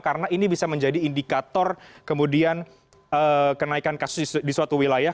karena ini bisa menjadi indikator kemudian kenaikan kasus di suatu wilayah